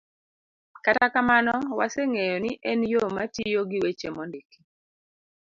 Kata kamano, waseng'eyo ni en yo matiyo gi weche mondiki.